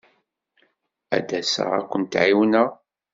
Ad d-asaɣ ad kent-ɛiwneɣ.